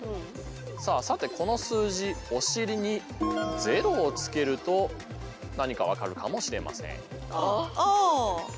さてこの数字お尻に０をつけると何か分かるかもしれません。